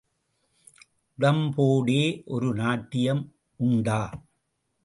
உடம்போடே ஒரு நாட்டியம் உண்டா?